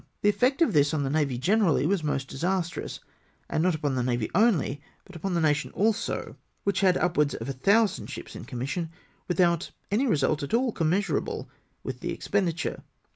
The effect of this upon the Navy generally was most disastrous, and not upon the Navy only, but upon the nation also, which had upwards of 1000 ships in com mission without any result at all commensurable with the expenditure.